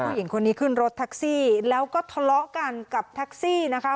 ผู้หญิงคนนี้ขึ้นรถแท็กซี่แล้วก็ทะเลาะกันกับแท็กซี่นะคะ